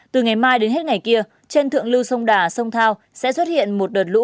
từ ngày mai đến hết ngày kia trên thượng lưu sông đà sông thao sẽ xuất hiện một đợt lũ